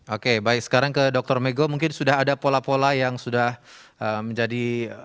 oke baik sekarang ke dr mego mungkin sudah ada pola pola yang sudah menjadi